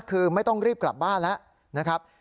คือไม่ต้องรีบกลับบ้านแล้วนะครับ